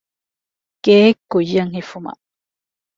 ގެއެއް ކުއްޔަށް ހިފުމަށް